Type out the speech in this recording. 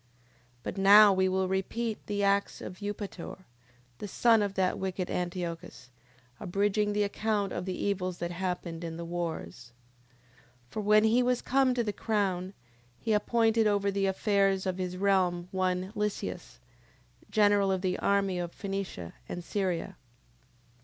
10:10. But now we will repeat the acts of Eupator, the son of that wicked Antiochus, abridging the account of the evils that happened in the wars. 10:11. For when he was come to the crown, he appointed over the affairs of his realm one Lysias, general of the army of Phenicia and Syria.